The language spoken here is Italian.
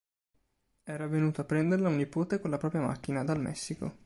Era venuto a prenderla un nipote con la propria macchina, dal Messico.